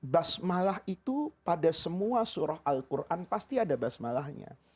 basmalah itu pada semua surah al quran pasti ada basmalahnya